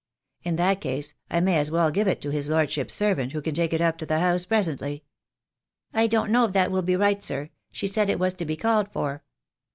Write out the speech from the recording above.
"In that case I may as well give it to his lordship's servant, who can take it up to the house presently." "I don't know if that will be right, sir. She said it was to be called for."